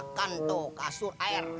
makan tuh kasur air